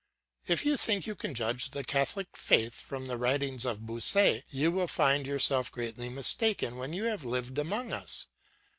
If you think you can judge the Catholic faith from the writings of Bossuet, you will find yourself greatly mistaken when you have lived among us.